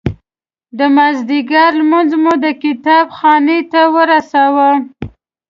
د مازدیګر لمونځ مو د کتاب خانې ته ورساوه.